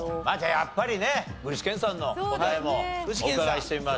やっぱりね具志堅さんの答えもお伺いしてみましょう。